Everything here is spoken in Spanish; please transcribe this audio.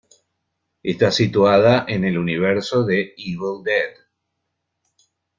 Está situada en el universo de "Evil Dead".